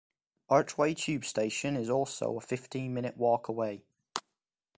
Archway tube station is also a fifteen-minute walk away.